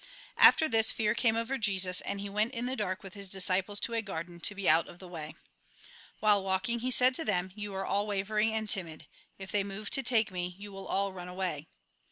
After this, fear came over Jesus, and he went in the dark with his disciples to a garden, to be out of the way. While walking, he said to them :" You are all wavering and timid ; if they move to take me, you will all run away."